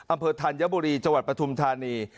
อำเภอธัญบุรีจังหวัดประธุมธานี